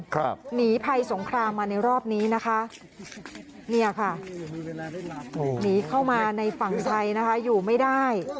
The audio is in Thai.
ครับหนีภัยสงครามมาในรอบนี้นะคะ